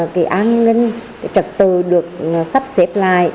cái an ninh trật tự được sắp xếp lại